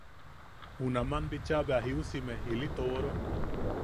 Junaman bicha bea jiusime ili tooro.